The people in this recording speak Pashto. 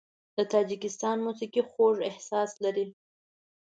د تاجکستان موسیقي خوږ احساس لري.